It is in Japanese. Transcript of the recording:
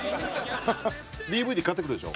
ＤＶＤ買ってくるでしょ？